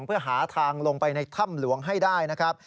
เพื่อหาทางลงไปในถ้ำหลวงให้ได้นะครับ